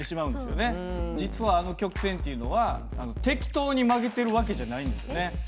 実はあの曲線っていうのは適当に曲げてる訳じゃないんですよね。